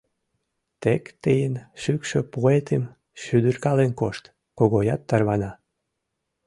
Тек тыйын шӱкшӧ пуэтым шӱдыркален кошт, — Когоят тарвана.